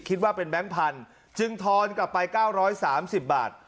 คิดว่าเป็นแบงค์พันธุ์จึงทอนกลับไปเก้าร้อยสามสิบบาท